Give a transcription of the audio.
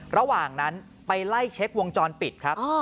ระหว่างนั้นไปไล่เช็ควงจรปิดครับ